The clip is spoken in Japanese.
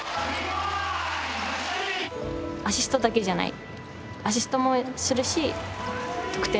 アシストだけじゃない。